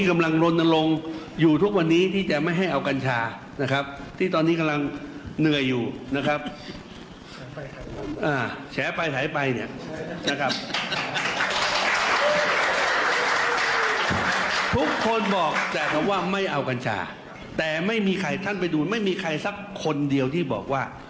ไม่เอากัญชาแต่ไม่มีใครท่านไปดูไม่มีใครสักคนเดียวที่บอกว่า